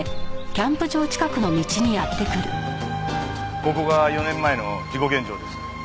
ここが４年前の事故現場です。